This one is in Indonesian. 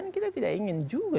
kita tidak ingin juga